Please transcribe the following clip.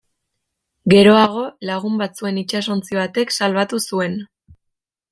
Geroago, lagun batzuen itsasontzi batek salbatu zuen.